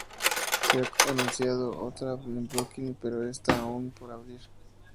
Se ha anunciado otra en Brooklyn, pero está aún por abrir.